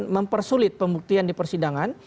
mempersulit pembuktian di persidangan